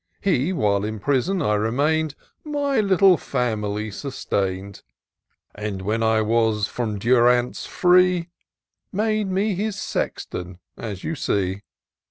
He, while in prison I remained. My little family sustain'd ; And when I was from durance free. Made me his Sexton, as you see.